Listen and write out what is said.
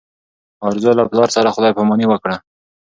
ارزو له پلار سره خدای په اماني وکړه.